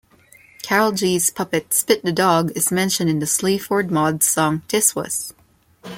Carolgees' puppet Spit the Dog is mentioned in the Sleaford Mods song Tiswas.